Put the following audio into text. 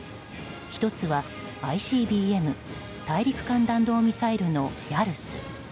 １つは、ＩＣＢＭ・大陸間弾道ミサイルのヤルス。